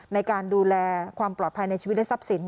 ในการดูแลความปลอดภัยในชีวิตและทรัพย์สิน